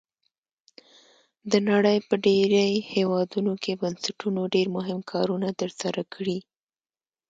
د نړۍ په ډیری هیوادونو کې بنسټونو ډیر مهم کارونه تر سره کړي.